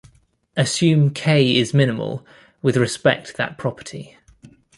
Assume "k" is minimal with respect that property.